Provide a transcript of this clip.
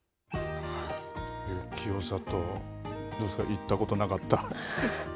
行ったことなかった。